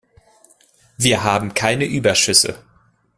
Wir haben keine Überschüsse.